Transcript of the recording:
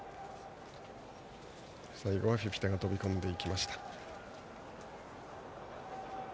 最後はフィフィタが飛び込んでいきました。